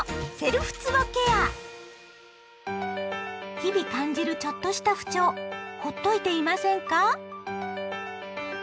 日々感じるちょっとした不調ほっといていませんか？